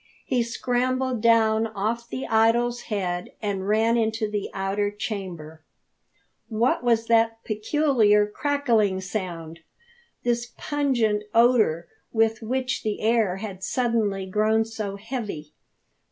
He scrambled down off the idols head and ran into the outer chamber. What was that peculiar crackling sound this pungent odour with which the air had suddenly grown so heavy?